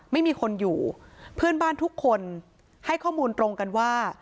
ไม่มีคนอยู่เพื่อนบ้านทุกคนให้ข้อมูลตรงกันว่า